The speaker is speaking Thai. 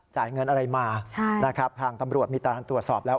จ่ายเงินอะไรมาผ่านตำรวจมีตารางตัวสอบแล้ว